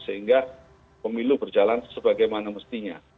sehingga pemilu berjalan sebagaimana mestinya